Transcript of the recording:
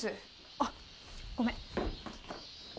あっごめん。